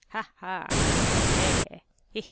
Ha, ha! He, he!